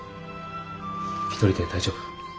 一人で大丈夫？